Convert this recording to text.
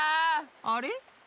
あれ？